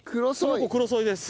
この子クロソイです。